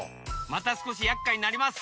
またすこしやっかいになります。